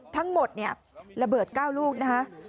ทั้งหมดเนี่ยระเบิด๙ลูกนะคะ